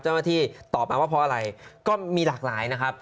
เจ้าหน้าที่ตอบมาว่าเพราะอะไรก็มีหลากหลายนะครับ